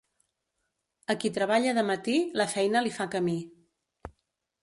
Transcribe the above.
A qui treballa de matí, la feina li fa camí.